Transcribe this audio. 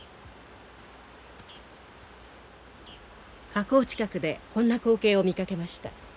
河口近くでこんな光景を見かけました。